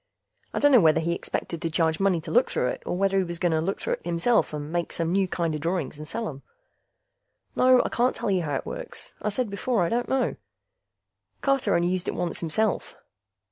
I dunno whether he expected to charge money to look through it, or whether he was gonna look through it himself and make some new kinda drawings and sell 'em. No, I can't tell you how it works I said before I don't know. Carter only used it once himself.